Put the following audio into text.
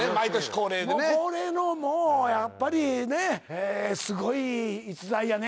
恒例のもうやっぱりねっすごい逸材やね